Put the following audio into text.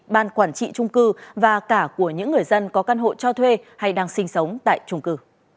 ban quản trị trung cư và cả của những người dân có căn hộ cho thuê hay đang sinh sống tại trung cư